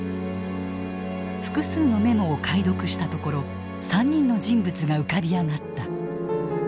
複数のメモを解読したところ３人の人物が浮かび上がった。